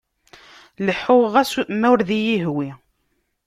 Leḥḥuɣ ɣas ma ur d iy-ihwi.